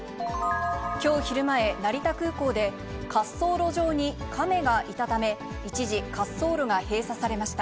きょう昼前、成田空港で滑走路上にカメがいたため、一時、滑走路が閉鎖されました。